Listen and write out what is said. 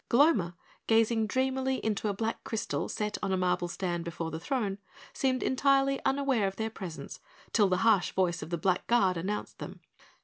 Gloma, gazing dreamily into a black crystal set on a marble stand before the throne, seemed entirely unaware of their presence till the harsh voice of the Black Guard announced them.